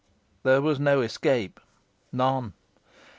There was no escape none!